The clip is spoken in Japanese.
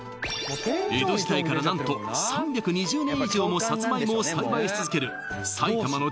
江戸時代から何と３２０年以上もさつまいもを栽培し続ける埼玉の